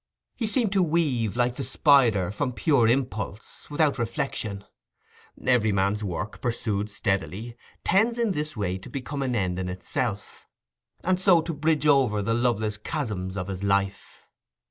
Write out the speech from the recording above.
He seemed to weave, like the spider, from pure impulse, without reflection. Every man's work, pursued steadily, tends in this way to become an end in itself, and so to bridge over the loveless chasms of his life.